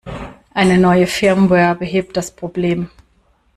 Eine neue Firmware behebt das Problem.